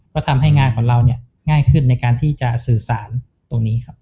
ก็ทำให้งานของเราเนี่ยง่ายขึ้นในการที่จะสื่อสารตรงนี้ครับ